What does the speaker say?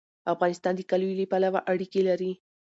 افغانستان د کلیو له پلوه اړیکې لري.